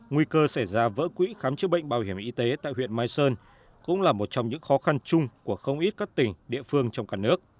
nguy cơ xảy ra vỡ quỹ khám chữa bệnh bảo hiểm y tế tại huyện mai sơn cũng là một trong những khó khăn chung của không ít các tỉnh địa phương trong cả nước